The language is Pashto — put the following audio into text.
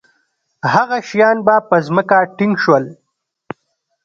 هغه شیان به په ځمکه ټینګ شول.